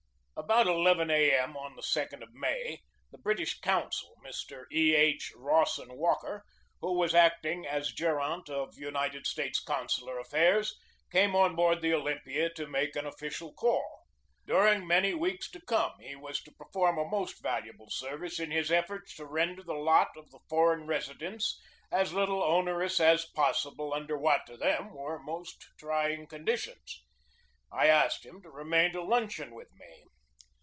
About ii A. M., on the 2d of May, the British consul, Mr. E. H. Rawson Walker, who was acting as gerant of United States consular affairs, came on board the Olympia to make an official call. During many weeks to come he was to perform a most valu able service in his efforts to render the lot of the foreign residents as little onerous as possible under what, to them, were most trying conditions. I asked him to remain to luncheon with me.